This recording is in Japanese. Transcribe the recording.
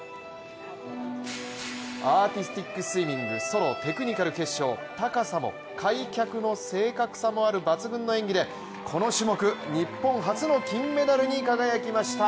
アーティスティックスイミングソロ・テクニカル決勝高さも開脚の正確さもある抜群の演技でこの種目、日本初の金メダルに輝きました。